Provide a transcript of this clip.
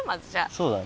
そうだね。